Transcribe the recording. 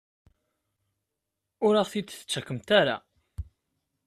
Ur aɣ-t-id-tettakemt ara?